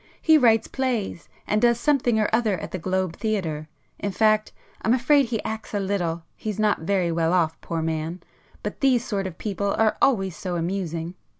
He writes plays, and does something or other at the Globe theatre,—in fact I'm afraid he acts a little—he's not very well off poor man,—but these sort of people are always so amusing!